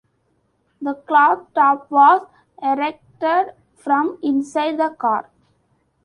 The cloth top was erected from inside the car.